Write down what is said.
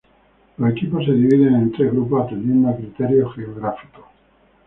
Los equipos se dividen en tres grupos, atendiendo a criterios geográficos.